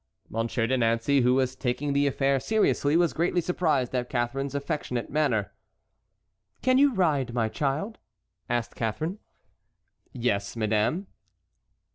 Monsieur de Nancey, who was taking the affair seriously, was greatly surprised at Catharine's affectionate manner. "Can you ride, my child?" asked Catharine. "Yes, madame."